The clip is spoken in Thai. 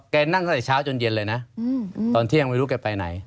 นั่งตั้งแต่เช้าจนเย็นเลยนะตอนเที่ยงไม่รู้แกไปไหน